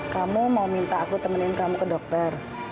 kamu mau minta aku temenin kamu ke dokter